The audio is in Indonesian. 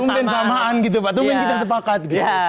tumben samaan gitu pak tumben kita sepakat